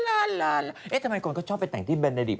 เอ๊ะทำไมคนก็ชอบไปแต่งที่เบนเดริต